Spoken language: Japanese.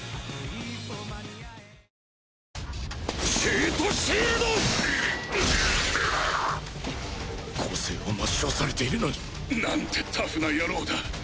クッ個性を抹消されているのに。なんてタフな野郎だ。